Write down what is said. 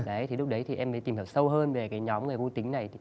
đấy thì lúc đấy thì em mới tìm hiểu sâu hơn về cái nhóm người vô tính này